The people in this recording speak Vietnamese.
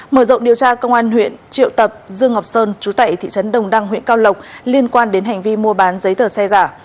mở rộng điều tra công an huyện triệu tập dương ngọc sơn chú tại thị trấn đồng đăng huyện cao lộc liên quan đến hành vi mua bán giấy tờ xe giả